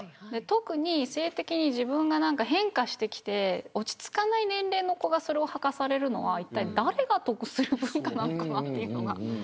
特に性的に自分が変化してきて落ち着かない年齢の子がそれをはかされるのはいったい、誰が得するのかなというのは。